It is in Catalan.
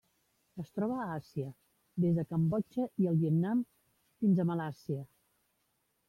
Es troba a Àsia: des de Cambodja i el Vietnam fins a Malàisia.